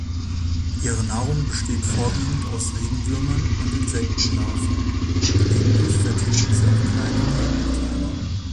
Ihre Nahrung besteht vorwiegend aus Regenwürmern und Insektenlarven, gelegentlich vertilgen sie auch kleine Wirbeltiere.